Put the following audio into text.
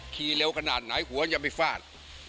ขี่เร็วกระหน่าไหนหัวยังไม่ฟาด